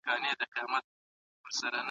موږ باید دا راز له نورو سره شریک کړو.